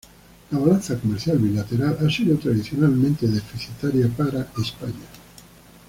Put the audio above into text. La balanza comercial bilateral ha sido tradicionalmente deficitaria para España.